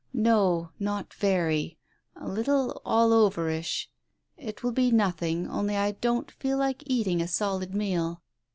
"No, not very — a little all overish. It will be nothing, only I don't feel like eating a solid meal."